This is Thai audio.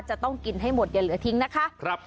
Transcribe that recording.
จะต้องกินให้หมดอย่าเหลือทิ้งนะคะ